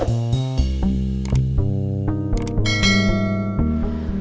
kau mau beli apa